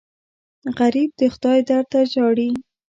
غریب د خدای در ته ژاړي